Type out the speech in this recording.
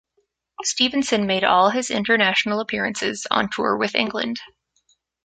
Stevenson made all his international appearances on tour with England.